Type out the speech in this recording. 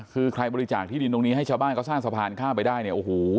คือใครบริจาคที่ดินตรงนี้ให้ชาวบ้านเขาสร้างสะพานข้ามไปได้เนี่ยโอ้โห